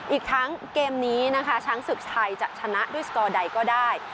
อีกครั้งเกมนี้นะคะช้างศึกทายจะชนะด้วยที่ดีก็ได้